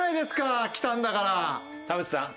田渕さん。